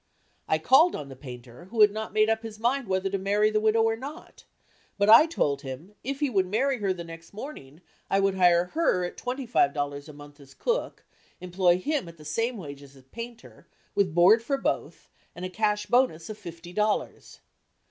I called on the painter who had not made up his mind whether to marry the widow or not, but I told him if he would marry her the next morning I would hire her at twenty five dollars a month as cook, employ him at the same wages as painter, with board for both, and a cash bonus of fifty dollars.